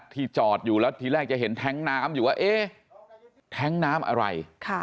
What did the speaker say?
จอดอยู่แล้วทีแรกจะเห็นแท้งน้ำอยู่ว่าเอ๊ะแท้งน้ำอะไร